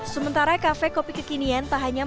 sementara kafe kopi kekinian tak hanya membuat penyelamat